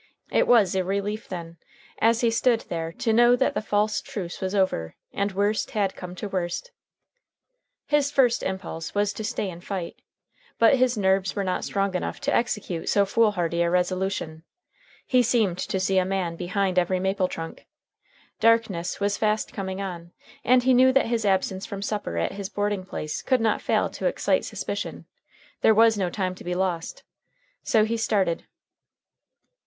It was a relief, then, as he stood there to know that the false truce was over, and worst had come to worst. His first impulse was to stay and fight. But his nerves were not strong enough to execute so foolhardy a resolution. He seemed to see a man behind every maple trunk. Darkness was fast coming on, and he knew that his absence from supper at his boarding place could not fail to excite suspicion. There was no time to be lost. So he started.